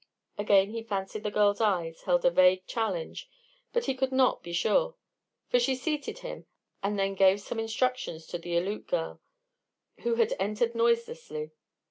Again he fancied the girl's eyes held a vague challenge, but he could not be sure; for she seated him, and then gave some instructions to the Aleut girl, who had entered noiselessly.